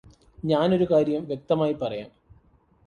ഞാനൊരു കാര്യം വ്യക്തമായി പറയാം